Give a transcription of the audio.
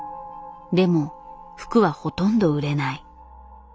でも服はほとんど売れない。